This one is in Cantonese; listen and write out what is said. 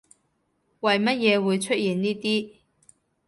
為乜嘢會出現呢啲